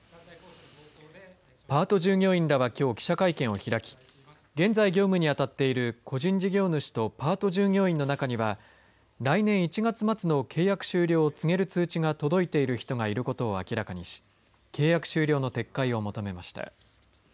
パート従業員らはきょう記者会見を開き現在、業務に当たっている個人事業主とパート従業員の中には来年１月末の契約終了を告げる通知が届いている人がいることを明らかにし契約終了の撤回を求めました。